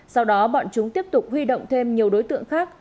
sau đó bọn chúng tiếp tục huy động thêm nhiều đối tượng khác